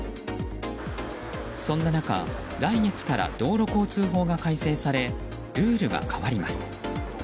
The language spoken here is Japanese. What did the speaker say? そんな中、来月から道路交通法が改正されルールが変わります。